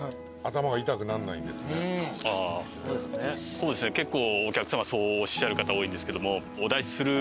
そうですね結構。